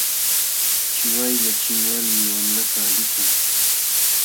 Chiwaylla chinwalmi wamlakaq likun.